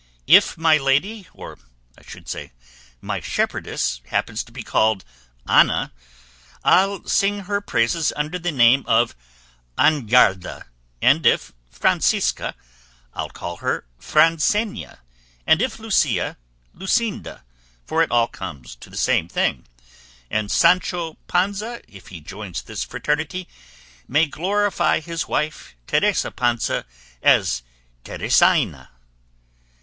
If my lady, or I should say my shepherdess, happens to be called Ana, I'll sing her praises under the name of Anarda, and if Francisca, I'll call her Francenia, and if Lucia, Lucinda, for it all comes to the same thing; and Sancho Panza, if he joins this fraternity, may glorify his wife Teresa Panza as Teresaina."